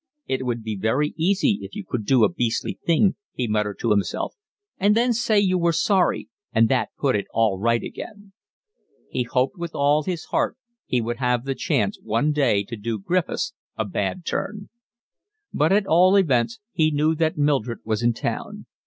"It would be very easy if you could do a beastly thing," he muttered to himself, "and then say you were sorry, and that put it all right again." He hoped with all his heart he would have the chance one day to do Griffiths a bad turn. But at all events he knew that Mildred was in town.